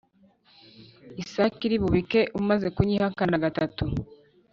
isake iri bubike umaze kunyihakana gatatu